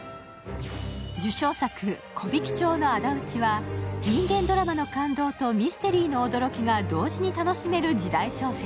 受賞作「木挽町のあだ討ち」は、人間ドラマの感動とミステリーの驚きが同時に楽しめる時代小説。